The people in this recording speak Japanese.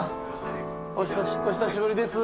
お久しぶりです。